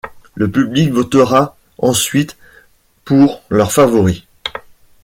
Le public votera ensuite pour leurs favoris.